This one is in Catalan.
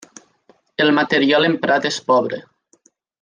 El material emprat és pobre.